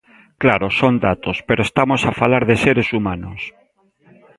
Claro, son datos, pero estamos a falar de seres humanos.